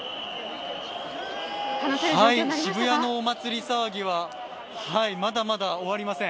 渋谷のお祭り騒ぎはまだまだ終わりません。